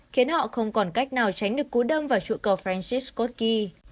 khiến họ không còn cách nào tránh được cú đâm vào trụ cầu francis scott key